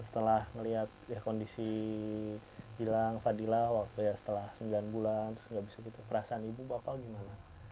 setelah ngelihat kondisi gilang dan fadila setelah sembilan bulan perasaan ibu bapak gimana